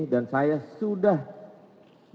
dan saya sudah juga memohon